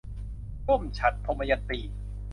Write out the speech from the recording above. ร่มฉัตร - ทมยันตี